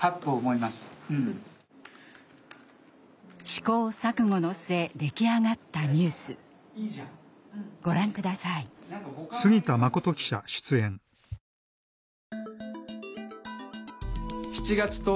試行錯誤の末出来上がったニュースご覧ください。という政党があります。